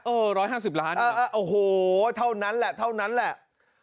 เออร้อยห้าสิบล้านเออเออโอ้โหเท่านั้นแหละเท่านั้นแหละ